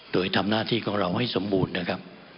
โดยทำหน้าที่ของเราให้สมบูรณ์นะครับ